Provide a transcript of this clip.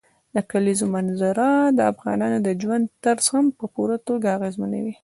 د کلیزو منظره د افغانانو د ژوند طرز هم په پوره توګه اغېزمنوي.